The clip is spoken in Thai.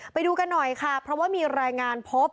ไปดูกันหน่อยค่ะเพราะว่ามีรายงานพบ